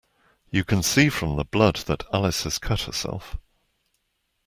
You can see from the blood that Alice has cut herself